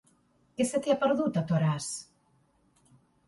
Què se t'hi ha perdut, a Toràs?